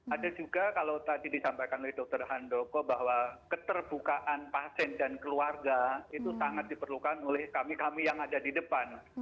ada juga kalau tadi disampaikan oleh dr handoko bahwa keterbukaan pasien dan keluarga itu sangat diperlukan oleh kami kami yang ada di depan